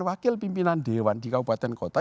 wakil pimpinan dewan di kabupaten kota